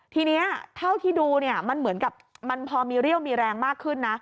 ทีนี้เท่าที่ดูเนี่ยมันเหมือนกับมันพอมีเรี่ยวมีแรงมากขึ้นนะ